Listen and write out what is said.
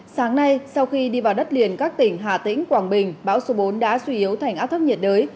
sáng nay sau khi đi vào đất liền các tỉnh hà tĩnh quảng bình bão số bốn đã suy yếu thành áp thấp nhiệt đới